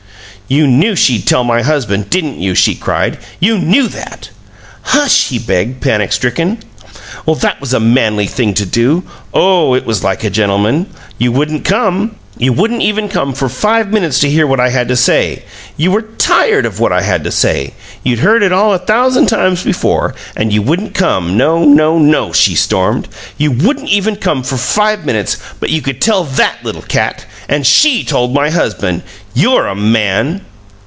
"You knew she'd tell my husband, DIDN'T you?" she cried. "You knew that!" "HUSH!" he begged, panic stricken. "That was a MANLY thing to do! Oh, it was like a gentleman! You wouldn't come you wouldn't even come for five minutes to hear what I had to say! You were TIRED of what I had to say! You'd heard it all a thousand times before, and you wouldn't come! No! No! NO!" she stormed. "You wouldn't even come for five minutes, but you could tell that little cat! And SHE told my husband! You're a MAN!"